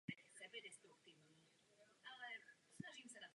V současné době žije ve Spojených arabských emirátech a údajně píše své paměti.